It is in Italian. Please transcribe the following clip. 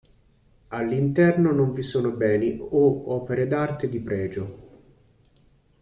All'interno non vi sono beni o opere d'arte di pregio.